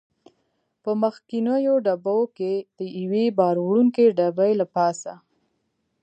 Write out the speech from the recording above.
په مخکنیو ډبو کې د یوې بار وړونکې ډبې له پاسه.